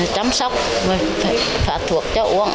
chăm sóc và phát thuộc cho uống